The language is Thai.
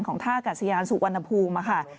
ของท่ากัสยานสุวรรณภูมิมาค่ะ